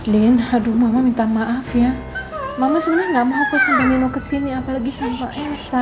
lin aduh mama minta maaf ya mama sebenarnya nggak mau hapus sampai nino kesini apalagi sama pak elsa